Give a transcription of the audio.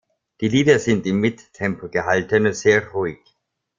Die Lieder sind im Midtempo gehalten und sehr ruhig.